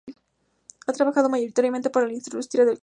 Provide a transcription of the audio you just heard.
Ha trabajado mayoritariamente para la industria del comic.